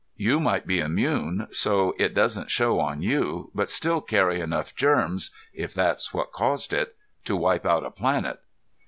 "You might be immune so it doesn't show on you, but still carry enough germs if that's what caused it to wipe out a planet."